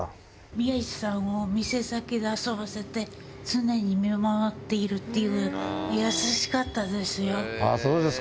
宮治さんを店先で遊ばせて、常に見守っているっていう、ああ、そうですか。